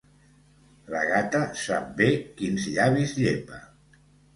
La gata sap bé quins llavis llepa